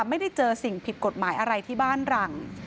ไม่ได้เจอสิ่งผิดกฎหมายอะไรที่บ้านหลัง